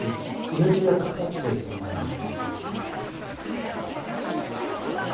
命がかかってる存在なんですよ。